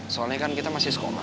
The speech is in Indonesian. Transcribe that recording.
soalnya kan kita masih sekolah